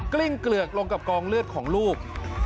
ลิ้งเกลือกลงกับกองเลือดของลูก